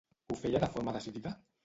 Ho feia de forma decidida?